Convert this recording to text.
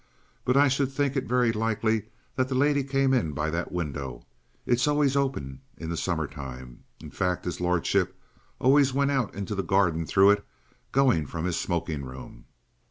But I should think it very likely that the lady came in by that window. It's always open in summer time. In fact, his lordship always went out into the garden through it, going from his smoking room."